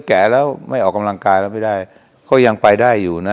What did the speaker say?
แก่แล้วไม่ออกกำลังกายเค้ายังไปได้อยู่นะ